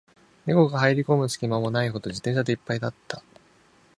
猫が入る込む隙間もないほど、自転車で一杯だった